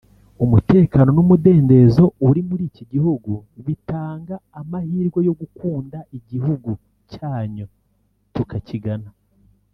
umutekano n’umudendezo uri muri iki gihugu bitanga amahirwe yo gukunda igihugu cyanyu tukakigana